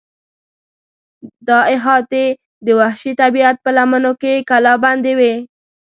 دا احاطې د وحشي طبیعت په لمنو کې کلابندې وې.